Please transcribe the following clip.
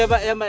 mbak mbak mbak